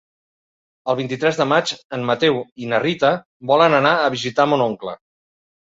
El vint-i-tres de maig en Mateu i na Rita volen anar a visitar mon oncle.